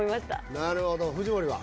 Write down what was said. なるほど藤森は？